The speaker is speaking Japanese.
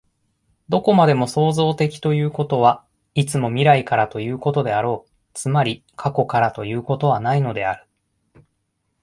どこまでも創造的ということは、いつも未来からということであろう、つまり過去からということはないのである。